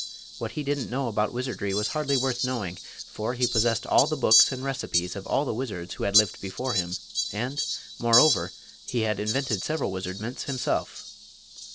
What he didn't know about wizardry was hardly worth knowing, for he possessed all the books and recipes of all the wizards who had lived before him; and, moreover, he had invented several wizardments himself.